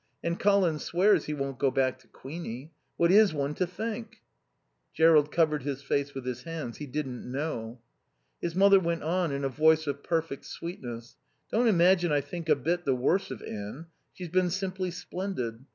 And Colin swears he won't go back to Queenie. What is one to think?" Jerrold covered his face with his hands. He didn't know. His mother went on in a voice of perfect sweetness. "Don't imagine I think a bit the worse of Anne. She's been simply splendid.